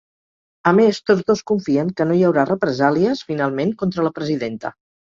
A més, tots dos confien que no hi haurà represàlies finalment contra la presidenta.